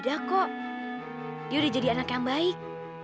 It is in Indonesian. lihat dia udah jadi anak yang baik